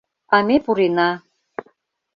А ме пурена.